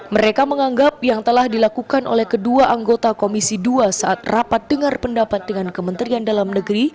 mereka menganggap yang telah dilakukan oleh kedua anggota komisi dua saat rapat dengar pendapat dengan kementerian dalam negeri